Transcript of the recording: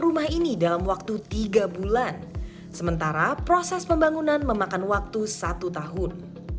rumah ini dalam waktu tiga bulan sementara proses pembangunan memakan waktu satu tahun